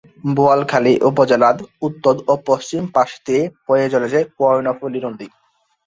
বোয়ালখালী উপজেলার উত্তর ও পশ্চিম পাশ দিয়ে বয়ে চলেছে কর্ণফুলী নদী।